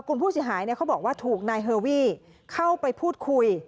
กลุ่มผู้เสียหายเขาบอกว่าถูกนายเฮอวี่เข้าไปพูดคุย